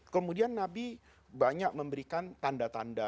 kemudian nabi banyak memberikan tanda tanda